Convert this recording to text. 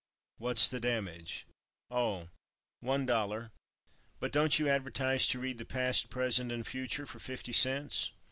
"What's the damage?" "Oh, one dollar." "But don't you advertise to read the past, present and future for fifty cents?"